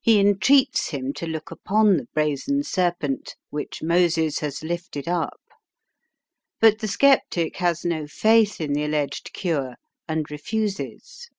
He entreats him to look upon the brazen serpent which Moses has lifted up. But the sceptic has no faith in the alleged cure, and refuses.